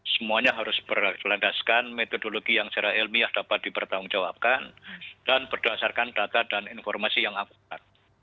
semuanya harus berlandaskan metodologi yang secara ilmiah dapat dipertanggungjawabkan dan berdasarkan data dan informasi yang akurat